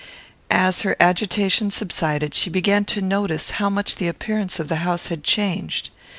As her agitation subsided she began to notice how much the appearance of the house had changed.